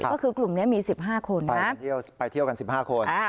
ก็คือกลุ่มนี้มีสิบห้าคนนะครับไปเที่ยวกันสิบห้าคนอ่า